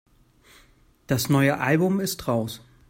Das neue Album ist raus.